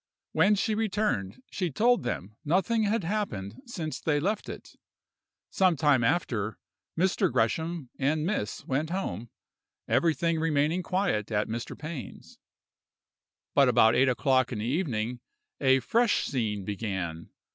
When she returned, she told them nothing had happened since they left it. Some time after, Mr. Gresham and miss went home, everything remaining quiet at Mr. Pain's; but about eight o'clock in the evening a fresh scene began.